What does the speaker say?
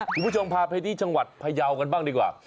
คุณผู้ชมพาไปที่จังหวัดพยาวกันบ้างดีกว่า